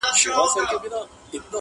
o د گور شپه نه پر کور کېږي.